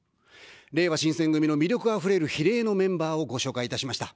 れいわ新選組の魅力あふれる比例のメンバーをご紹介いたしました。